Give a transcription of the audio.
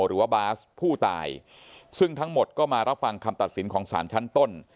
หรือว่าบาสผู้ตายซึ่งทั้งหมดก็มารับฟังคำตัดสินของสารชั้นต้น